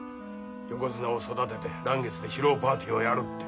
横綱を育てて嵐月で披露パーティーをやるって。